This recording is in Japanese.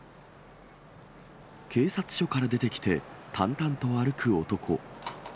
警察署から出てきて、淡々と歩く男。